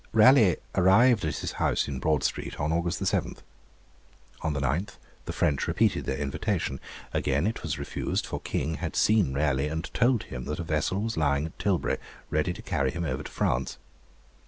Raleigh arrived at his house in Broad Street on August 7. On the 9th the French repeated their invitation. Again it was refused, for King had seen Raleigh and had told him that a vessel was lying at Tilbury ready to carry him over to France.